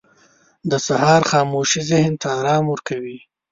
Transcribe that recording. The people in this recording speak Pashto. • د سهار خاموشي ذهن ته آرام ورکوي.